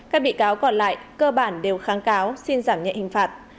các bị cáo còn lại cơ bản đều kháng cáo xin giảm nhẹ hình phạt